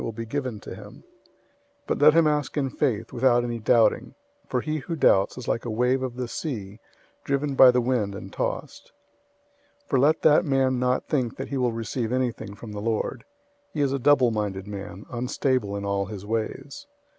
001:006 But let him ask in faith, without any doubting, for he who doubts is like a wave of the sea, driven by the wind and tossed. 001:007 For let that man not think that he will receive anything from the Lord. 001:008 He is a double minded man, unstable in all his ways.